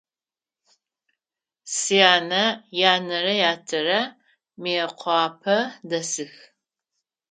Сянэ янэрэ ятэрэ Мыекъуапэ дэсых.